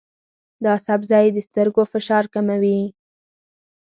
دا سبزی د سترګو فشار کموي.